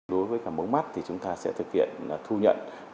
đối với cả mống mắt thì chúng ta sẽ thực hiện thu nhận